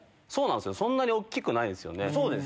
そんなに大っきくないんすよね。